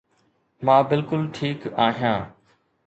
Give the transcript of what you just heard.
مان بلڪل ٺيڪ آهيان